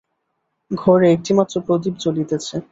ঘরে একটি মাত্র প্রদীপ জ্বলিতেছে।